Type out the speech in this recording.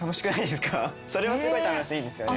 それはすごい楽しいんですよね。